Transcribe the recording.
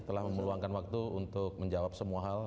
telah memeluangkan waktu untuk menjawab semua hal